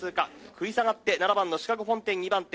「食い下がって７番のシカゴフォンテン２番手」